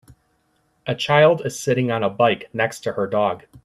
A child is sitting on a bike next to her dog